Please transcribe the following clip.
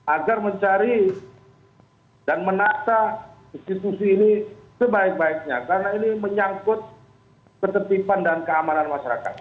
agar mencari dan menata institusi ini sebaik baiknya karena ini menyangkut ketetipan dan keamanan masyarakat